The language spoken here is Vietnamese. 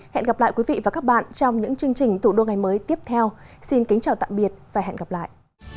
hẹn gặp lại quý vị và các bạn trong những chương trình tụ đô ngày mới tiếp theo xin kính chào tạm biệt và hẹn gặp lại